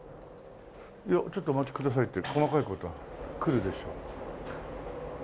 ちょっとお待ちくださいって細かい事は来るでしょう。